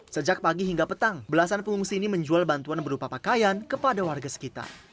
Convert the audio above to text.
sejak pagi hingga petang belasan pengungsi ini menjual bantuan berupa pakaian kepada warga sekitar